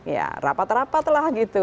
ya rapat rapatlah gitu